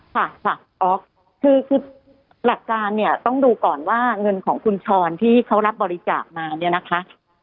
ค่ะค่ะอ๊อกคือหลักการเนี่ยต้องดูก่อนว่าเงินของคุณชรที่เขารับบริจาคมาเนี่ยนะคะ